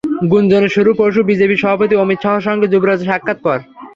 গুঞ্জনের শুরু পরশু বিজেপি সভাপতি অমিত শাহর সঙ্গে যুবরাজের সাক্ষাতের পর।